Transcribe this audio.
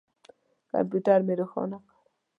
کمپیوټر مې روښانه کړ.